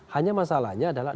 hanya masalahnya adalah